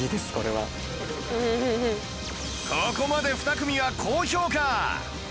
ここまで２組は高評価！